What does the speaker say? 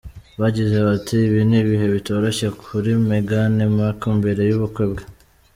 Bagize bati: “Ibi ni ibihe bitoroshye kuri Meghan Markle mbere y’ubukwe bwe.